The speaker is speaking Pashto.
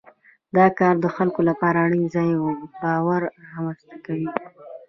دا کار د خلکو لپاره اړین ځان باور رامنځته کوي.